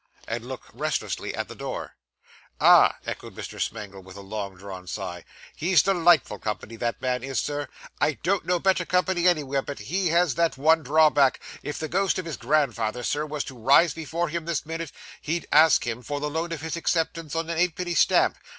and looked restlessly at the door. 'Ah!' echoed Mr. Smangle, with a long drawn sigh. 'He's delightful company, that man is, sir. I don't know better company anywhere; but he has that one drawback. If the ghost of his grandfather, Sir, was to rise before him this minute, he'd ask him for the loan of his acceptance on an eightpenny stamp.